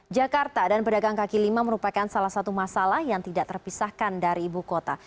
jakarta dan pedagang kaki lima merupakan salah satu masalah yang tidak terpisahkan dari ibu kota